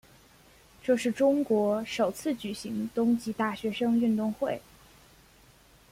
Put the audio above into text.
这是中国首次举行冬季大学生运动会。